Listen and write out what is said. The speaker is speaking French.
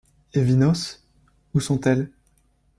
Et Vinos? où sont-elles ?